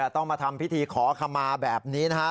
ต้องมาทำพิธีขอขมาแบบนี้นะฮะ